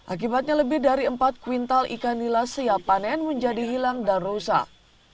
akibatnya lebih dari empat kuintal ikan nila siap panen menjadi hilang dan rusak